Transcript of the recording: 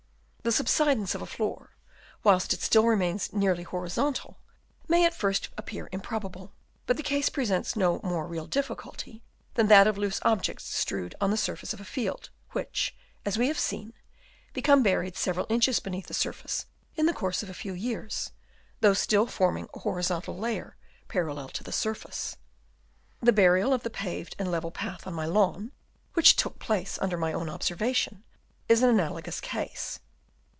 The subsidence of a floor, whilst it still remains nearly horizontal, may at first appear improbable ; but the case presents no more real difficulty than that of loose objects strewed on the surface of a field, which, as we have seen, become buried several inches beneath the surface in the course of a few years, though still forming a horizontal layer parallel to the surface. The burial of the paved and level path on my lawn, which took place under my own observation, is an analogous case.